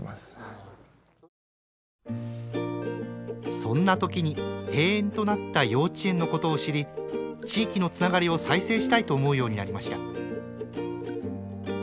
そんな時に閉園となった幼稚園のことを知り地域のつながりを再生したいと思うようになりました。